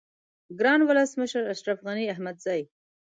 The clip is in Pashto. گران ولس مشر اشرف غنی احمدزی